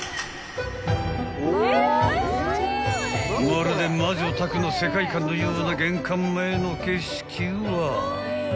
［まるで『魔女宅』の世界観のような玄関前の景色は］